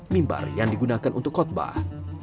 mimbar yang digunakan untuk khutbah